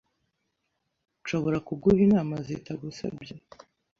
Nshobora kuguha inama zitagusabye?